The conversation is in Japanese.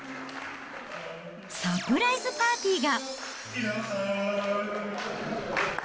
サプライズパーティーが。